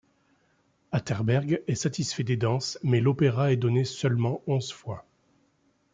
Atterberg est satisfait des danses, mais l'opéra est donné seulement onze fois.